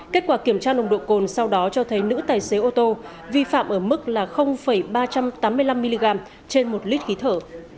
kết quả kiểm tra nồng độ cồn sau đó cho thấy nữ tài xế ô tô vi phạm ở mức ba trăm tám mươi năm mg trên một lít khí thở